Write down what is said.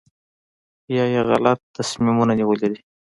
یا یې غلط تصمیمونه نیولي وي.